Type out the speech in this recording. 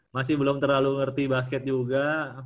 masih belum terlalu ngerti basket juga